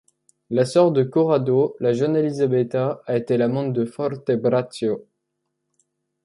La sœur de Corrado, la jeune Elisabetta, a été l'amante de Fortebraccio.